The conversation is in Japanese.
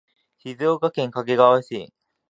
静岡県掛川市